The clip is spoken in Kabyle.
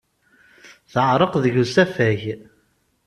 Teɛreq deg usafag.